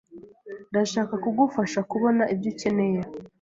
Ndashaka kugufasha kubona ibyo ukeneye.